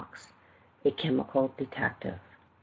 A CHEMICAL DETECTIVE.